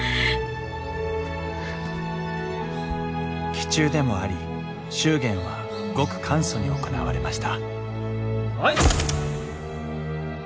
忌中でもあり祝言はごく簡素に行われましたはい。